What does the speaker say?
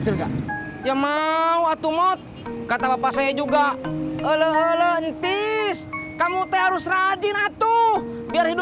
lumayan kan keren kan